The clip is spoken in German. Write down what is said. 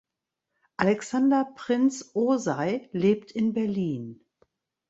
Alexander Prince Osei lebt in Berlin.